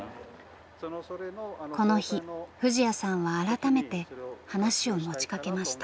この日藤彌さんは改めて話を持ちかけました。